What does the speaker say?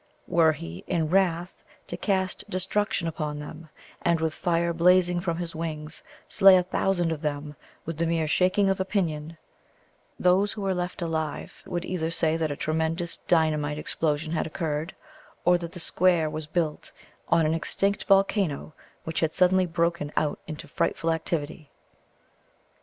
Were he, in wrath, to cast destruction upon them, and with fire blazing from his wings, slay a thousand of them with the mere shaking of a pinion, those who were left alive would either say that a tremendous dynamite explosion had occurred, or that the square was built on an extinct volcano which had suddenly broken out into frightful activity.